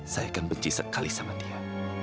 saya akan benci sekali sama dia